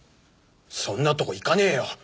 そんなとこ行かねえよ。